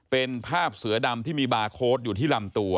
เป็นภาพเสือดำที่มีบาร์โค้ดอยู่ที่ลำตัว